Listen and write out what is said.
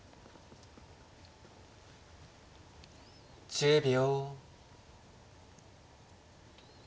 １０秒。